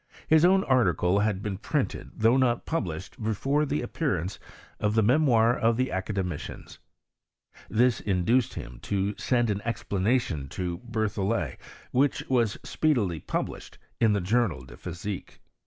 His own article had been printed, thou^ not published, before the appearance of the Memoir of the Academicians. This induced him to send aa explanation to BerthoUet, which was speedily pub lished in the Journal de Physique.